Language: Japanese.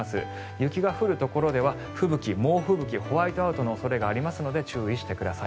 雪が降るところでは吹雪、猛吹雪ホワイトアウトの恐れがありますので注意してください。